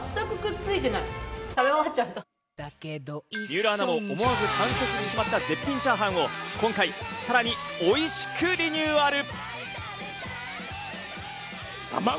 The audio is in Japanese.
水卜アナも思わず完食してしまった絶品チャーハンを今回、さらにおいしくリニューアル。